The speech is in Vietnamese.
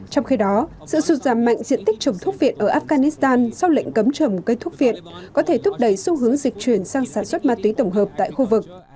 trong khi đó sự sụt giảm mạnh diện tích trồng thuốc viện ở afghanistan sau lệnh cấm trồng cây thuốc viện có thể thúc đẩy xu hướng dịch chuyển sang sản xuất ma túy tổng hợp tại khu vực